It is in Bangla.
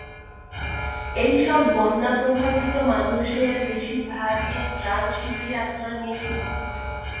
এই সব বন্যা প্রভাবিত মানুষের বেশির ভাগই ত্রাণ শিবিরে আশ্রয় নিয়েছিল।